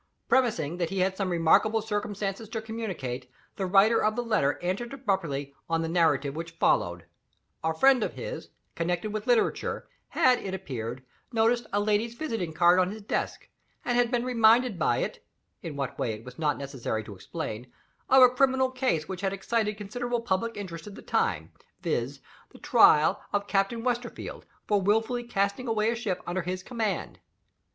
Premising that he had some remarkable circumstances to communicate, the writer of the letter entered abruptly on the narrative which follows: A friend of his connected with literature had, it appeared, noticed a lady's visiting card on his desk, and had been reminded by it (in what way it was not necessary to explain) of a criminal case which had excited considerable public interest at the time; viz., the trial of Captain Westerfield for willfully casting away a ship under his command.